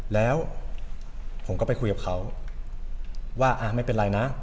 แล้วผมก็ไปคุยกับเขาว่าไม่เป็นไรนะ